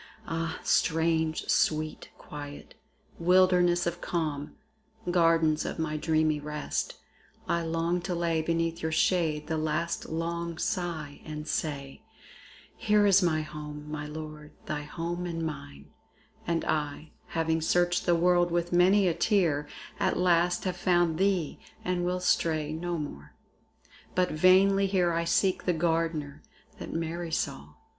Ah! strange, sweet quiet! wilderness of calm, Gardens of dreamy rest, I long to lay Beneath your shade the last long sigh, and say, Here is my home, my Lord, thy home and mine; And I, having searched the world with many a tear, At last have found thee and will stray no more. But vainly here I seek the Gardener That Mary saw.